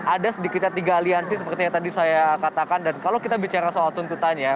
ada sedikitnya tiga aliansi seperti yang tadi saya katakan dan kalau kita bicara soal tuntutannya